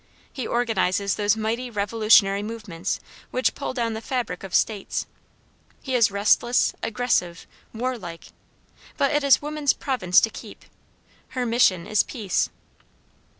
He organizes those mighty revolutionary movements which pull down the fabric of states. He is restless, aggressive, warlike. But it is woman's province to keep. Her mission is peace.